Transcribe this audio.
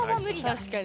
確かに。